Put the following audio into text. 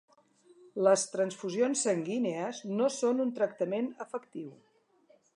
Les transfusions sanguínies no són un tractament efectiu.